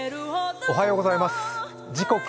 おはようございます。